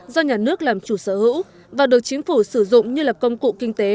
do nhà nước làm chủ sở hữu và được chính phủ sử dụng như là công cụ kinh tế